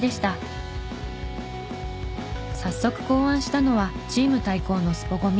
早速考案したのはチーム対抗のスポ